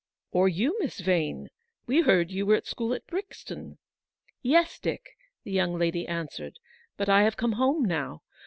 " Or you, Miss Vane ? We heard you were at school at Brixton." "Yes, Dick," the young lady answered; "but I have come home now.